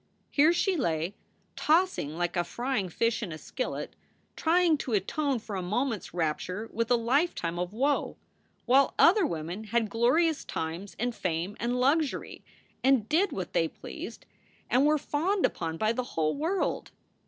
Here she lay, tossing like a frying fish in a skillet, trying to atone for a moment s rapture with a lifetime of woe, while other women had glorious times and fame and luxury ; and did what they pleased, and were fawned upon by the whole world.